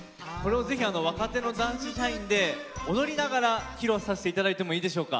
若手の男子社員で踊りながら披露させていただいてもよろしいですか。